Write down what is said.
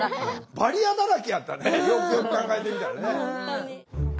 バリアだらけやったねよくよく考えてみたらね。